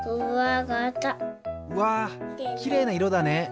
うわきれいないろだね。